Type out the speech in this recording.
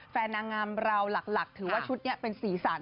แฟนนางงามเราหลักถือว่าชุดนี้เป็นสีสัน